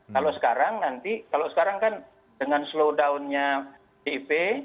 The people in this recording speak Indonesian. kalau sekarang nanti kalau sekarang kan dengan slow down nya pdip